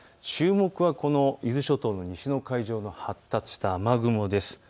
注目はこの伊豆諸島の西の海上の発達した雨雲です。